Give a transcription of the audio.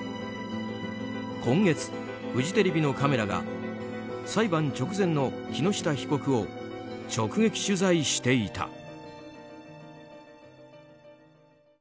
今月、フジテレビのカメラが裁判直前の木下被告を直撃取材していた。